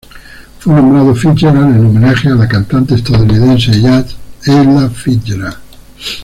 Fue nombrado Fitzgerald en homenaje a la cantante estadounidense de jazz Ella Fitzgerald.